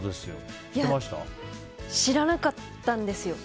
知らなかったんですよ。